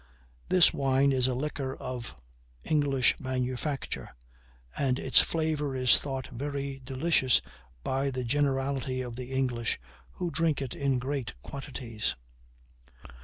This wind is a liquor of English manufacture, and its flavor is thought very delicious by the generality of the English, who drink it in great quantities.